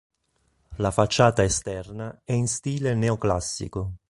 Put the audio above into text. La facciata esterna è in stile neoclassico.